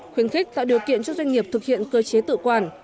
khuyến khích tạo điều kiện cho doanh nghiệp thực hiện cơ chế tự quản